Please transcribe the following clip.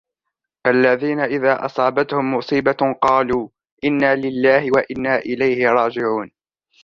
الَّذِينَ إِذَا أَصَابَتْهُمْ مُصِيبَةٌ قَالُوا إِنَّا لِلَّهِ وَإِنَّا إِلَيْهِ رَاجِعُونَ